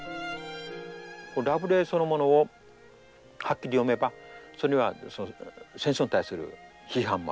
ラブレーそのものをはっきり読めばそれは戦争に対する批判もある。